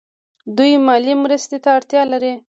دوی مالي مرستې ته اړتیا لري.